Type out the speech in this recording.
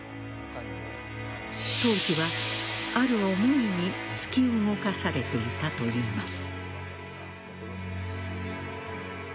当時は、ある思いに突き動かされていたといいます。